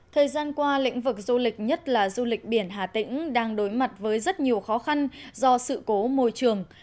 thời gian qua lĩnh vực du lịch nhất là du lịch biển hà tĩnh đang đối mặt với rất nhiều khó khăn do sự cố môi trường